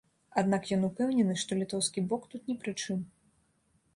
Аднак ён упэўнены, што літоўскі бок тут ні пры чым.